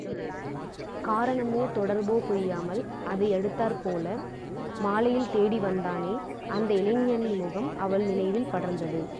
காரணமோ, தொடர்போ புரியாமல், அதை யடுத்தாற்போல மாலையில் தேடிவந்தானே, அந்த இளைஞனின் முகம் அவள் நினைவில் படர்ந்தது.